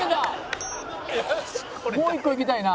もう一個いきたいな。